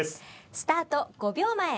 スタート５秒前。